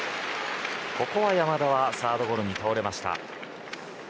ここは山田はサードゴロに倒れました。